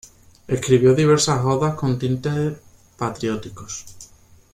Escribió diversas odas con tintes patrióticos.